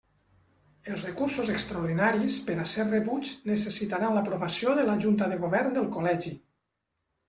Els recursos extraordinaris, per a ser rebuts, necessitaran l'aprovació de la Junta de Govern del Col·legi.